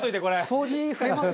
掃除増えますよ？